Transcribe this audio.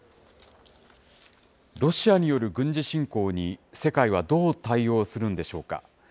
ロシアによる軍事侵攻に、世界はどう対応するんでしょうか。